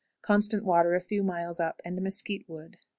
Constant water a few miles up, and mesquite wood.